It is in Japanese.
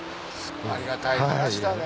ありがたい話だね。